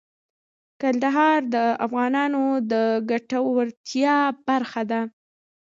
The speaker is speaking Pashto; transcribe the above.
کندهار د افغانانو د ګټورتیا برخه ده.